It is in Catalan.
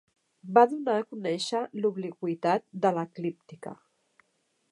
Va donar a conèixer l'obliqüitat de l'eclíptica.